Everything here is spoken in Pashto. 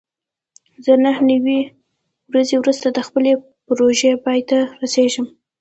زه نهه نوي ورځې وروسته د خپلې پروژې پای ته رسېږم.